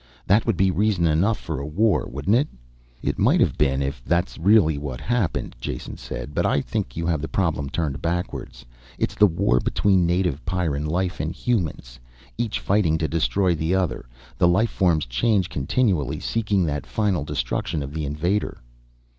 That would be reason enough for a war, wouldn't it?" "It might have been if that's really what happened," Jason said. "But I think you have the problem turned backwards. It's a war between native Pyrran life and humans, each fighting to destroy the other. The life forms change continually, seeking that final destruction of the invader."